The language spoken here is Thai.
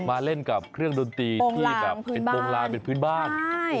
มาเล่นกับเครื่องดนตรีโปรงลางเป็นพื้นบ้าน